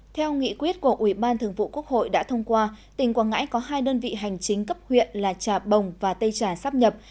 theo nghị quyết của ủy ban thường vụ quốc hội đã thông qua tỉnh quảng ngãi có hai đơn vị hành chính cấp huyện là trà bồng và tây trà sắp nhập